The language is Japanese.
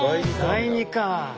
第２か。